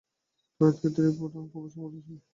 তড়িৎক্ষেত্রে এই প্রোটন খুবই সংবেদনশীল ।